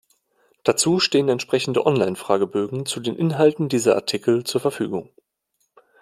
Dazu stehen entsprechende online-Fragebögen zu den Inhalten dieser Artikel zur Verfügung.